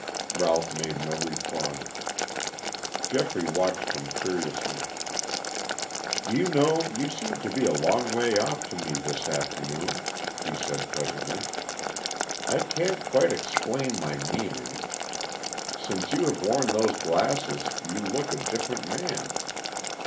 Ralph made no reply. Geoffrey watched him curiously. "Do you know you seem to be a long way off to me this afternoon?" he said presently. "I can't quite explain my meaning. Since you have worn those glasses you look a different man.